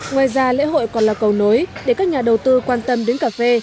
ngoài ra lễ hội còn là cầu nối để các nhà đầu tư quan tâm đến cà phê